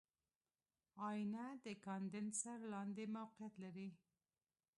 آئینه د کاندنسر لاندې موقعیت لري.